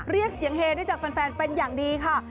เรียกเสียงเฮได้จากแฟนเป็นอย่างดีค่ะ